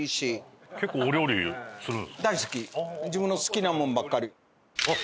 自分の好きなもんばっかり。